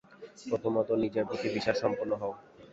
প্রথমত নিজের প্রতি বিশ্বাসসম্পন্ন হও।